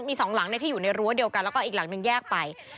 มีสองหลังที่อยู่ในรั้วเดียวกันแล้วก็อีกหลังนึงแยกไป